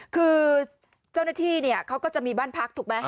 คือเจ้าหน้าที่เขาก็จะมีบ้านพักถูกไหม